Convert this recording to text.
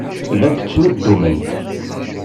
Llant ttnuddument.